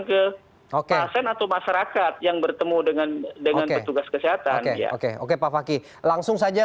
ke pasien atau masyarakat yang bertemu dengan dengan petugas kesehatan ya oke oke pak fakih langsung saja